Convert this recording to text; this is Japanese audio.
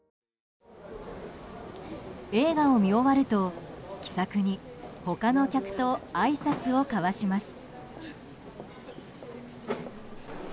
映画を見終わると、気さくに他の客とあいさつを交わします。